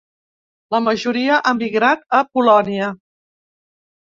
La majoria ha migrat a Polònia.